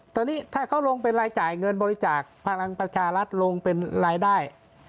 ตอนนี้ถ้าเขาลงเป็นรายจ่ายเงินบริจาคพลังประชารัฐลงเป็นรายได้